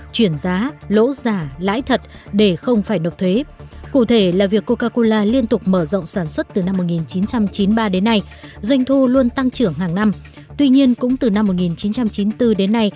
chuyển giá lỗ giả lãi pháp đồng tiền đồng tiền đồng tiền đồng tiền đồng tiền